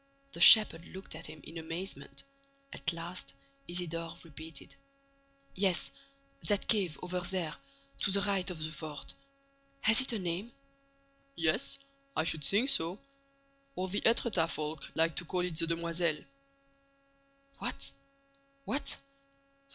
The shepherd looked at him in amazement. At last, Isidore repeated: "Yes, that cave—over there—to the right of the fort. Has it a name?" "Yes, I should think so. All the Étretat folk like to call it the Demoiselles." "What?—What?